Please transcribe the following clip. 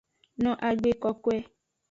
No agbe kokoe.